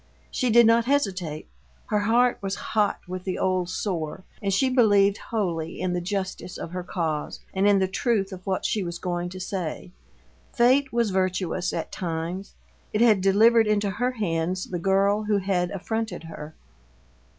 She did not hesitate her heart was hot with the old sore, and she believed wholly in the justice of her cause and in the truth of what she was going to say. Fate was virtuous at times; it had delivered into her hands the girl who had affronted her.